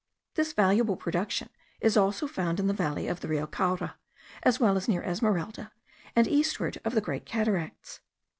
This valuable production is found also in the valley of the Rio Caura, as well as near Esmeralda, and eastward of the Great Cataracts.